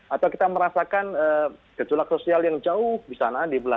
lagi komen masih komen masihelin another date ya